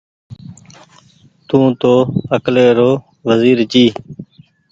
تونٚ تو اڪلي رو وزير جي